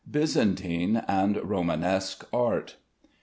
BYZANTINE AND ROMANESQUE ART.